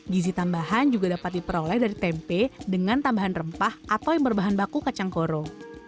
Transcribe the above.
gizi tambahan juga dapat diperoleh dari tempe dengan tambahan rempah atau yang berbahan baku kacang koro